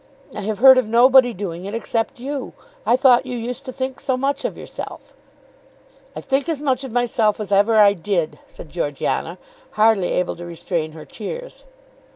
I have heard of nobody doing it except you. I thought you used to think so much of yourself." "I think as much of myself as ever I did," said Georgiana, hardly able to restrain her tears.